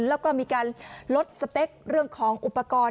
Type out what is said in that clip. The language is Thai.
แล้วก็มีการลดสเปคเรื่องของอุปกรณ์